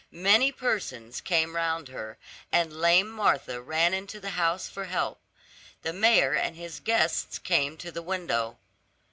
Many persons came round her, and Lame Martha ran into the house for help. The mayor and his guests came to the window.